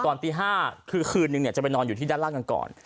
ตี๕คือคืนนึงจะไปนอนอยู่ที่ด้านล่างกันก่อน